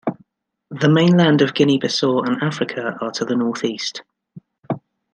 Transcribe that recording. The mainland of Guinea-Bissau and Africa are to the northeast.